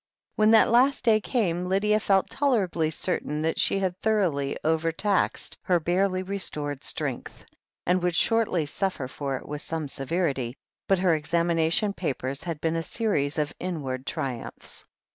When that last day came Lydia felt tolerably certain that she had thoroughly overtaxed her barely restored strength, and would shortly suffer for it with some severity, but her examination papers had been a series of inward triumphs.